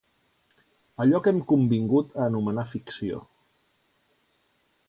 Allò que hem convingut a anomenar ficció.